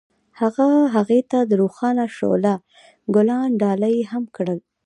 هغه هغې ته د روښانه شعله ګلان ډالۍ هم کړل.